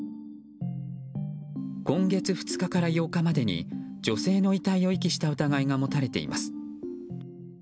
今月２日から８日までに女性の遺体を遺棄した疑いが持たれています。